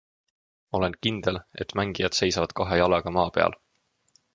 Olen kindel, et mängijad seisavad kahe jalaga maa peal.